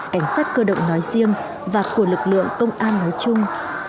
cảnh sát cơ động nói riêng và của lực lượng công an nói chung